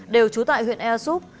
đều trú tại huyện airsoup